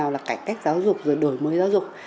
là cải cách giáo dục rồi đổi mới giáo dục